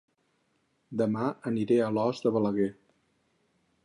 Dema aniré a Alòs de Balaguer